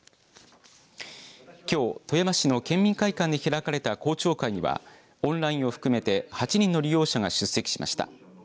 きょう、富山市の県民会館で開かれた公聴会にはオンラインを含めて８人の利用者が出席しました。